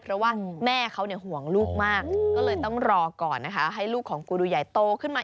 เพราะว่าแม่เขาห่วงลูกมากก็เลยต้องรอก่อนนะคะ